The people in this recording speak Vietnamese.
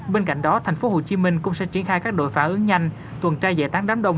bên cạnh đó tp hcm cũng sẽ triển khai các đội phản ứng nhanh tuần tra giải tán đám đông